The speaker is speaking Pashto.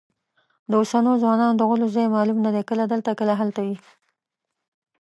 د اوسنیو ځوانانو د غولو ځای معلوم نه دی، کله دلته کله هلته وي.